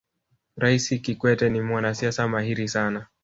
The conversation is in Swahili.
raisi kikwete ni mwanasiasa mahiri sana